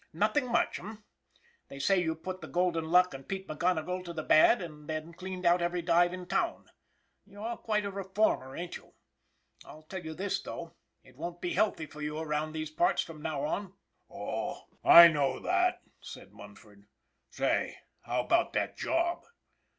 " Nothing much, eh ? They say you put the " Golden Luck and Pete McGonigle to the bad, and then cleaned out every dive in town. You're quite a reformer, ain't you ? I'll tell you this, though, it won't be healthy for you around these parts from now on." " Oh, I don't know," said Munford. " Say, how about that job?"